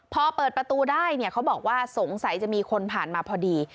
พอเปิดประตูได้เนี่ยเขาบอกว่าสงสัยจะมีคนผ่านมาพอดี